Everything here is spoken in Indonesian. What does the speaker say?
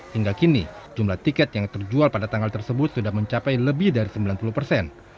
hingga kini jumlah tiket yang terjual pada tanggal tersebut sudah mencapai lebih dari sembilan puluh persen